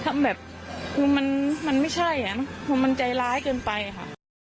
มันไม่ใช่อะน่ะมันใจร้ายเกือบไปอะค่ะ